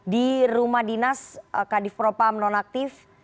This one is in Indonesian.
di rumah dinas kadif propam nonaktif